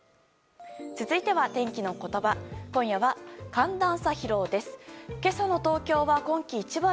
続いては、天気のことば。